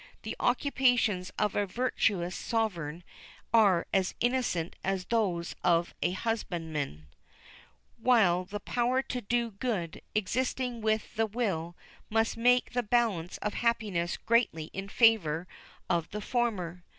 The occupations of a virtuous sovereign are as innocent as those of a husbandman, while the power to do good, existing with the will, must make the balance of happiness greatly in favour of the former.